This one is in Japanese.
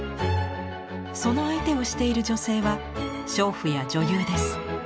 その相手をしている女性は娼婦や女優です。